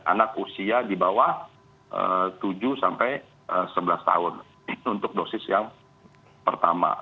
anak usia di bawah tujuh sampai sebelas tahun untuk dosis yang pertama